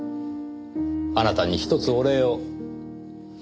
あなたにひとつお礼を。